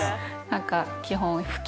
何か基本。